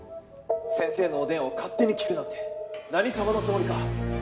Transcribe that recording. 先生のお電話を勝手に切るなんて何さまのつもりか！